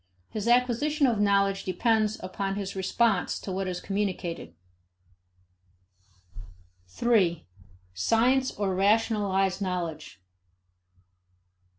His acquisition of knowledge depends upon his response to what is communicated. 3. Science or Rationalized Knowledge.